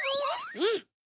うん。